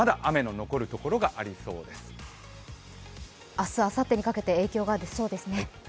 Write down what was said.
明日、あさってにかけて影響が出そうですね。